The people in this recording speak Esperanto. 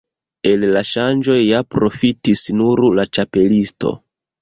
El la ŝanĝoj ja profitis nur la Ĉapelisto.